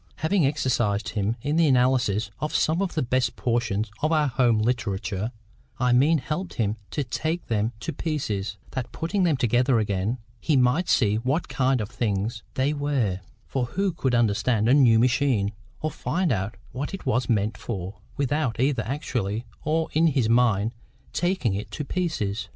Having exercised him in the analysis of some of the best portions of our home literature,—I mean helped him to take them to pieces, that, putting them together again, he might see what kind of things they were—for who could understand a new machine, or find out what it was meant for, without either actually or in his mind taking it to pieces?